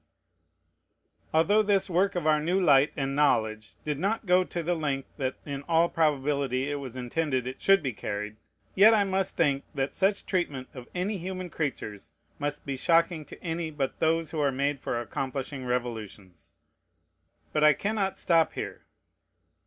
Although this work of our new light and knowledge did not go to the length that in all probability it was intended it should be carried, yet I must think that such treatment of any human creatures must be shocking to any but those who are made for accomplishing revolutions. But I cannot stop here.